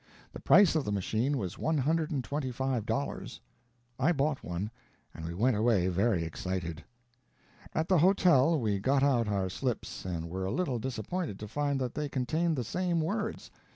The price of the machine was one hundred and twenty five dollars. I bought one, and we went away very much excited. At the hotel we got out our slips and were a little disappointed to find that they contained the same words.